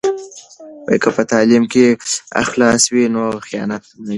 که په تعلیم کې اخلاص وي نو خیانت نه وي.